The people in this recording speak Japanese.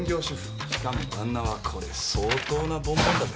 しかも旦那はこれ相当なボンボンだぜ。